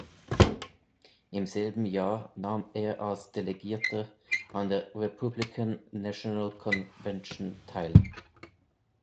Im selben Jahr nahm er als Delegierter an der Republican National Convention teil.